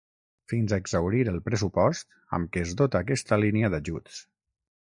Fins a exhaurir el pressupost amb què es dota aquesta línia d'ajuts.